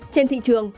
trên thị trường